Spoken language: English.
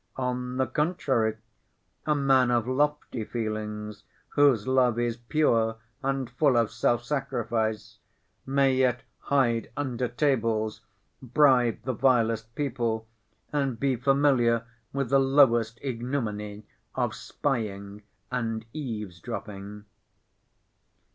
On the contrary, a man of lofty feelings, whose love is pure and full of self‐sacrifice, may yet hide under tables, bribe the vilest people, and be familiar with the lowest ignominy of spying and eavesdropping.